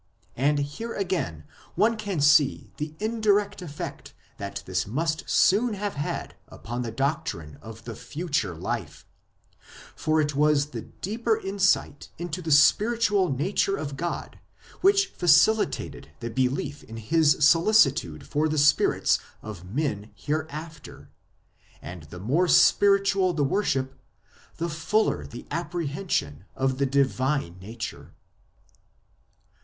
And here again one can see the indirect effect that this must soon have had upon the doctrine of the future life ; for it was the deeper insight into the spiritual nature of God which facilitated the belief in His solicitude for the spirits of men hereafter ; and the more spiritual the worship the fuller the appre hension of the divine nature.